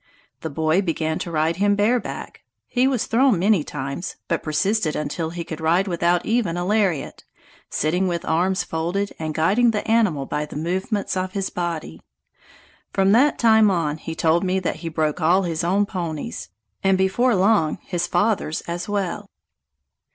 The boy began to ride him bareback; he was thrown many times, but persisted until he could ride without even a lariat, sitting with arms folded and guiding the animal by the movements of his body. From that time on he told me that he broke all his own ponies, and before long his father's as well.